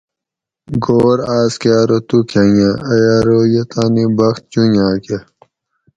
گھور آس کہ ارو تو کھۤنگہ ائ ارو یہ تانی بخت چونجاۤکہ